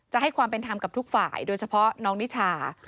ให้ความเป็นธรรมกับทุกฝ่ายโดยเฉพาะน้องนิชา